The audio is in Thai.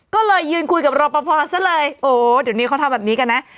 ก็เลยยืนคุยกับรอปภซะเลยโอ้เดี๋ยวนี้เขาทำแบบนี้กันนะ